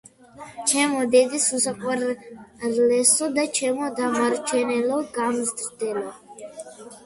ჩემო დედის უსაყვარლესო და ჩემო დამარჩენელო გამზრდელო.